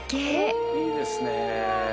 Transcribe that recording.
いいですね。